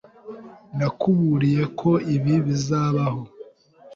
Nakuburiye ko ibi bizabaho.